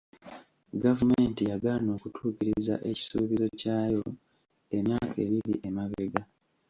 Gavumenti yagaana okutuukiriza ekisuubizo ky'ayo emyaka ebiri emabega.